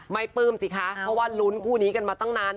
ปลื้มสิคะเพราะว่าลุ้นคู่นี้กันมาตั้งนาน